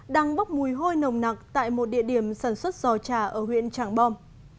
đang bốc mùi hôi nồng nặc tại một địa điểm sản xuất giò trà ở huyện trảng bom